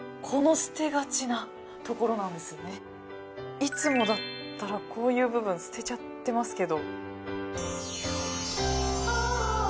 いつもだったらこういう部分捨てちゃってますけど。